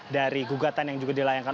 dari gugatan yang juga dilayangkan